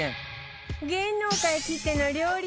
芸能界きっての料理